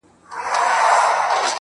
چي نه عادت نه ضرورت وو، مينا څه ډول وه~